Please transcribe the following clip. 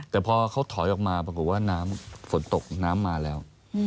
แต่พอเขาถอยออกมาปรากฏว่าน้ำฝนตกน้ำมาแล้ว